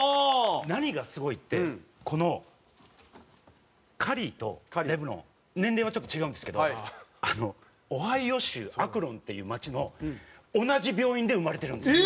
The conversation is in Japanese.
何がすごいってこのカリーとレブロン年齢はちょっと違うんですけどオハイオ州アクロンっていう街の同じ病院で生まれてるんです。